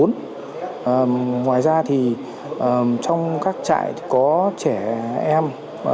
ngoài ra trong các trại có trẻ em